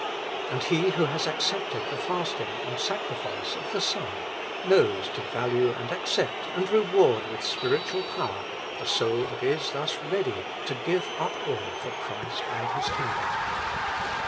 And He who accepted the fasting and sacrifi.ee of the Son, knows to value and accept and reward with spiritual power the soul that is thus ready to give up all for Christ and His kingdom.